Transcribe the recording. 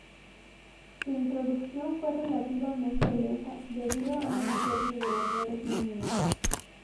Su introducción fue relativamente lenta debido a una serie de errores mínimos.